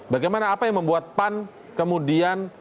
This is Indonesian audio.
bagaimana apa yang membuat pan kemudian